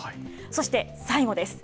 そして、最後です。